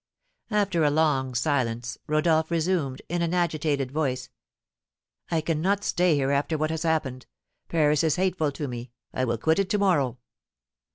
After a long silence, Rodolph resumed, in an agitated voice: "I cannot stay here after what has happened. Paris is hateful to me; I will quit it to morrow."